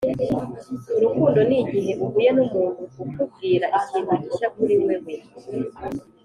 “urukundo ni igihe uhuye n'umuntu ukubwira ikintu gishya kuri wewe.”